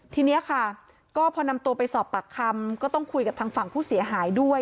ทีนี้ค่ะก็พอนำตัวไปสอบปากคำก็ต้องคุยกับทางฝั่งผู้เสียหายด้วย